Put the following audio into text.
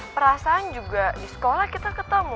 perasaan juga di sekolah kita ketemu